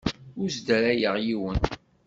Ur sdarayeɣ yiwen.